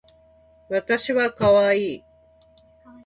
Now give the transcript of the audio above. わたしはかわいい